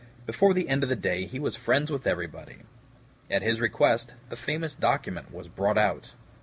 Before the end of the day he was friends with everybody. At his request, the famous document was brought out.